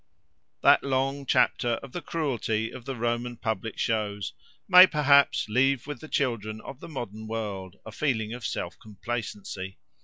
That long chapter of the cruelty of the Roman public shows may, perhaps, leave with the children of the modern world a feeling of self complacency.